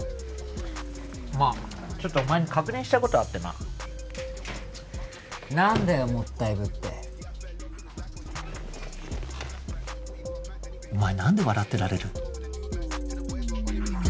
まあちょっとお前に確認したいことあってな何だよもったいぶってお前何で笑ってられる？